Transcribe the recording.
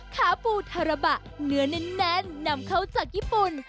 ขาปูทาระบะเนื้อแน่นนำเข้าจากญี่ปุ่น